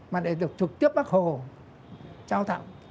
mà để được trực tiếp bác hồ trao tặng